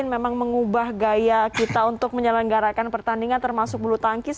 memang mengubah gaya kita untuk menyelenggarakan pertandingan termasuk bulu tangkis